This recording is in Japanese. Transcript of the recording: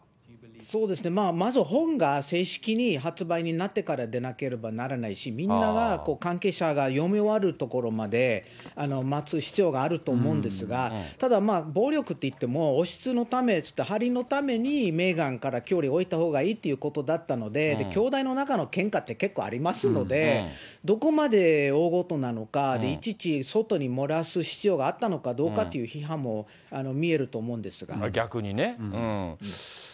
そうですね、まず本が正式に発売になってからでなければならないし、みんなが、関係者が読み終わるところまで待つ必要があると思うんですが、ただ、まあ暴力っていっても、王室のため、ハリーのために、メーガンから距離を置いたほうがいいっていうことだったので、兄弟の中のけんかって結構ありますので、どこまで大ごとなのか、いちいち外に漏らす必要があったのかどうかという批判も見えると逆にね。